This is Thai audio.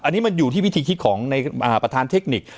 อันนี้มันอยู่ที่วิธีคิดของในประธานเทคนิค